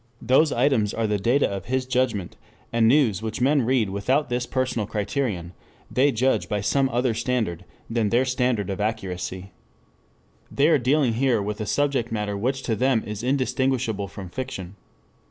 Those items are the data of his judgment, and news which men read without this personal criterion, they judge by some other standard than their standard of accuracy. They are dealing here with a subject matter which to them is indistinguishable from fiction.